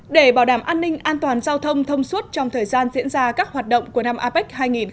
để bảo đảm an ninh an toàn giao thông thông suốt trong thời gian diễn ra các hoạt động của năm apec hai nghìn hai mươi